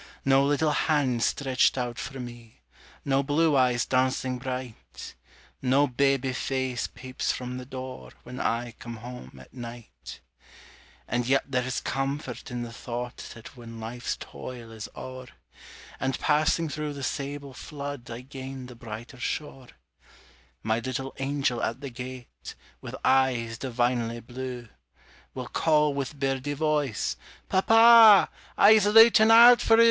No little hands stretched out for me, No blue eyes dancing bright, No baby face peeps from the door When I come home at night. And yet there's comfort in the thought That when life's toil is o'er, And passing through the sable flood I gain the brighter shore, My little angel at the gate, With eyes divinely blue, Will call with birdie voice, "Papa, _I's looten out for oo!